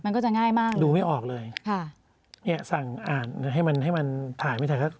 มันก็จะง่ายมากดูไม่ออกเลยค่ะเนี่ยสั่งอ่านให้มันให้มันถ่ายไม่ทัน